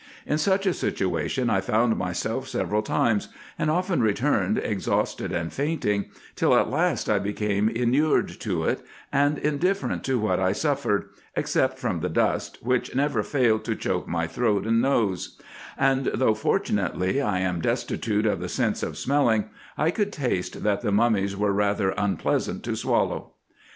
In such a situation I found myself several times, and often returned exhausted and fainting, till at last I became inured to it, and indifferent to what I suffered, except from the dust, which never failed to choke my throat and nose ; and though, fortunately, I am destitute of the sense of smelling, I could taste that the mummies were rather un pleasant to swallow.